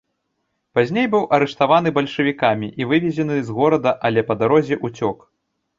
Пазней быў арыштаваны бальшавікамі і вывезены з горада, але па дарозе уцёк.